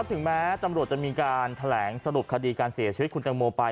ถึงแม้ตำรวจจะมีการแถลงสรุปคดีการเสียชีวิตคุณตังโมไป